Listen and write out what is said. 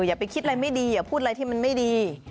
อย่าไปคิดอะไรไม่ดีอย่าพูดอะไรที่มันไม่ดี